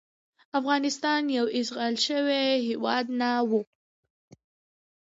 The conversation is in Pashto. افغانستان یو اشغال شوی هیواد نه وو.